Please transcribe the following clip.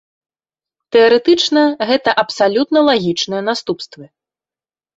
Тэарэтычна, гэта абсалютна лагічныя наступствы.